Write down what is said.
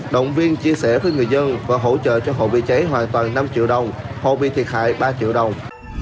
động viên chia sẻ với người dân và hỗ trợ cho hộ bị cháy hoàn toàn năm triệu đồng hộ bị thiệt hại ba triệu đồng